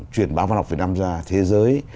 truyền báo văn học việt nam ra thế giới